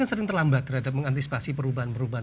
kan sering terlambat terhadap mengantisipasi perubahan perubahan